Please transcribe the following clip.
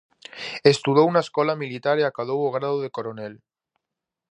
Estudou na escola militar e acadou o grao de coronel.